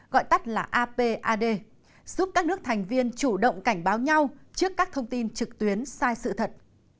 gọi tắt là apad giúp các nước thành viên chủ động cảnh báo nhau trước các thông tin trực tuyến sai sự thật